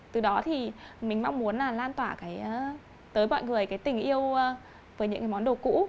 từ đó thì mình mong muốn là lan tỏa tới mọi người tình yêu với những món đồ cũ